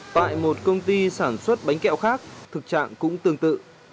tại một công ty sản xuất bánh kẹo khác thực trạng cũng tương tự